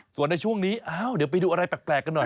ส่วนในช่วงนี้เดี๋ยวไปดูอะไรแปลกกันหน่อย